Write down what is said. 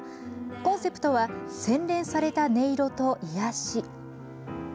コンセプトは洗練された音色と癒やし。